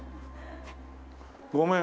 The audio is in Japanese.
ごめん。